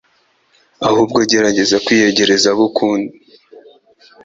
ahubwo gerageza kwiyegereza abo ukunda